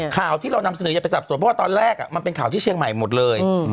ข่าวที่เรานำเสนออย่าไปสับสนเพราะว่าตอนแรกมันเป็นข่าวที่เชียงใหม่หมดเลย